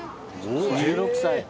１６歳！